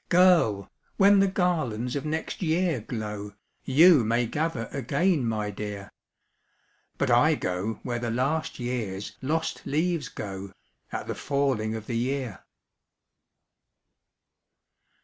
Girl! when the garlands of next year glow, YOU may gather again, my dear But I go where the last year's lost leaves go At the falling of the year."